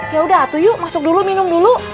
yaudah tuh yuk masuk dulu minum dulu